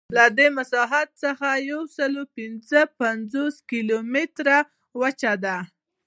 له دې مساحت څخه یوسلاوپینځهپنځوس میلیونه کیلومتره وچه ده.